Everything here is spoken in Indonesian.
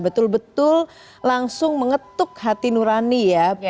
betul betul langsung mengetuk hati nurani ya